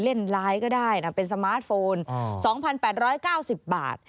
เล่นไลน์ก็ได้นะเป็นสมาร์ทโฟน๒๘๙๐บาท